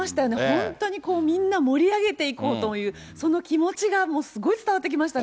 本当にみんな盛り上げていこうという、その気持ちがもうすごい伝わってきましたね。